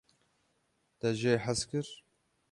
Te jê hez kir?